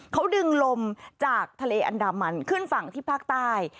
เขาดึงลมจากทะเลอันดามันขึ้นฝั่งที่ภาคใต้